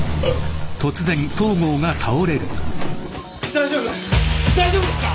大丈夫大丈夫ですか！？